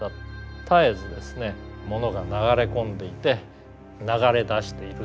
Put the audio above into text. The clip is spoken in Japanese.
絶えずですね物が流れ込んでいて流れ出している。